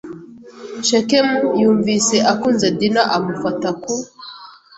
Shekemu yumvise akunze Dina amufata ku